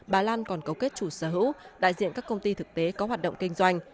bà lan còn cấu kết chủ sở hữu đại diện các công ty thực tế có hoạt động kinh doanh